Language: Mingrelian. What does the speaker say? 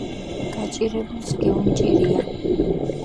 გაჭირებულს გეუნჭირია